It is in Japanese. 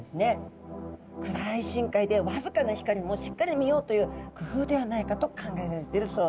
暗い深海で僅かな光もしっかり見ようという工夫ではないかと考えられているそうです。